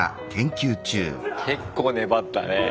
結構粘ったね。